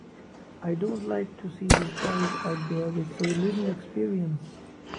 I don't like to see these guys out there with so little experience.